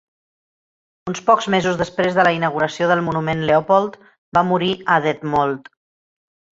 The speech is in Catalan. Uns pocs mesos després de la inauguració del monument Leopold va morir a Detmold.